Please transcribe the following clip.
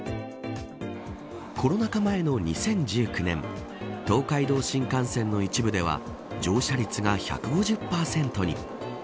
コロナ禍前の２０１９年東海道新幹線の一部では乗車率が１５０％に。